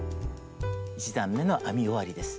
１段めの編み終わりです。